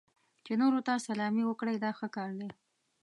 چې نورو ته سلامي وکړئ دا ښه کار دی.